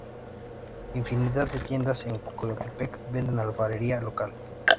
Infinidad de tiendas en Coyotepec venden alfarería local.